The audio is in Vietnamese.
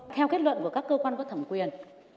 theo kết luận của các cơ quan có thẩm quyền